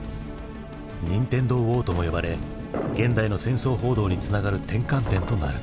ニンテンドーウォーとも呼ばれ現代の戦争報道につながる転換点となる。